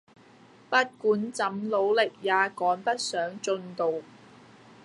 不管怎努力也趕不上進度